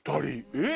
えっ？